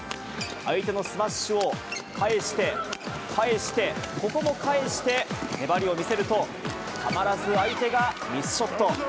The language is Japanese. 相手のスマッシュを返して、返して、ここも返して、粘りを見せると、たまらず相手がミスショット。